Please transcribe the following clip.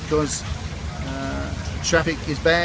karena trafiknya buruk